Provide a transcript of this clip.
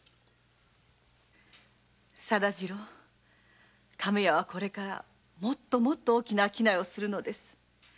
定次郎亀屋はこれからもっと大きな商いをするのです。